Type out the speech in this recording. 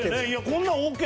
こんなんＯＫ？